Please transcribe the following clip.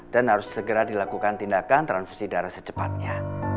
dan harus segera dilakukan tindakan transfusi darah secepatnya